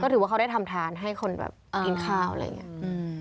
ถือว่าเขาได้ทำทานให้คนแบบกินข้าวอะไรอย่างนี้